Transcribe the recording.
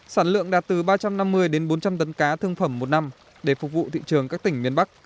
sản lượng đạt từ ba trăm năm mươi đến bốn trăm linh tấn cá thương phẩm một năm để phục vụ thị trường các tỉnh miền bắc